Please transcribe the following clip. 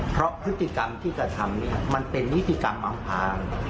เพราะพฤติกรรมที่กระทำมันเป็นนิติกรรมอำพาง